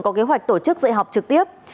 có kế hoạch tổ chức dạy học trực tiếp